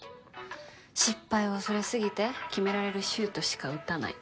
失敗を恐れ過ぎて決められるシュートしか打たない。